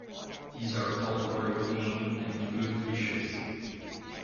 These are popular game and food fishes.